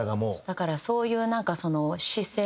だからそういうなんかその姿勢？